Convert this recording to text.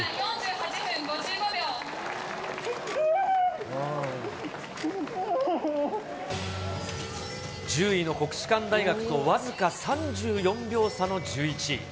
記録、１０位の国士舘大学と僅か３４秒差の１１位。